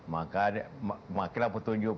makanya makinlah petunjuk